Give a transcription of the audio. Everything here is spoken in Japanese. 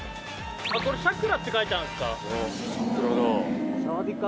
あっこれサクラって書いてあるんですか。